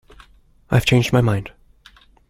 I’ve changed my mind